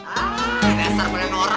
ah dasar beli norak